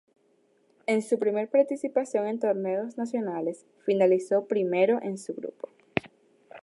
En su primer participación en torneos nacionales, finalizó primero en su grupo.